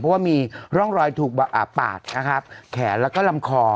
เพราะว่ามีร่องรอยถูกปาดนะครับแขนแล้วก็ลำคอ